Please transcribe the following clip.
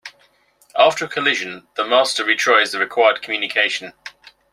After a collision, the master retries the required communication.